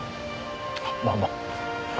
あっまあまあ。